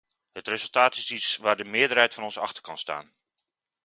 Het resultaat is iets waar de meerderheid van ons achter kan staan.